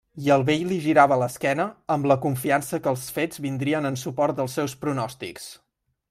I el vell li girava l'esquena, amb la confiança que els fets vindrien en suport dels seus pronòstics.